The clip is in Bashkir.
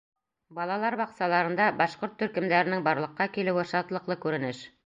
Балалар баҡсаларында башҡорт төркөмдәренең барлыҡҡа килеүе шатлыҡлы күренеш.